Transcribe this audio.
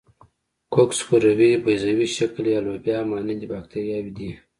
کوکس کروي، بیضوي شکل یا لوبیا مانند باکتریاوې دي.